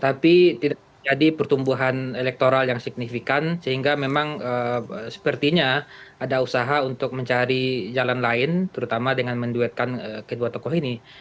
tapi tidak jadi pertumbuhan elektoral yang signifikan sehingga memang sepertinya ada usaha untuk mencari jalan lain terutama dengan menduetkan kedua tokoh ini